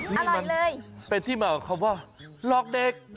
นี่มันเป็นที่มากับคำว่าลอกเด็ก